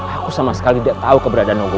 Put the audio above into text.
aku sama sekali tidak tahu keberadaan ogo